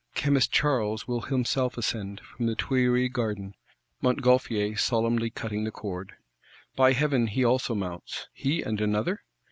Chemist Charles will himself ascend, from the Tuileries Garden; Montgolfier solemnly cutting the cord. By Heaven, he also mounts, he and another?